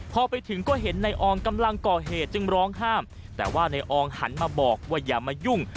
พอไปถึงก็เห็นนายอองกำลังก่อเหตุจึงร้องห้ามแต่ว่านายอองหันมาบอกว่าอย่ามายุ่ง